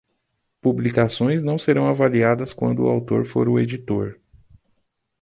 Publicações não serão avaliadas quando o autor for o editor.